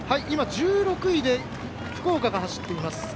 今、１６位で福岡が走っています。